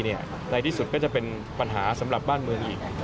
ในที่สุดก็จะเป็นปัญหาสำหรับบ้านเมืองอีก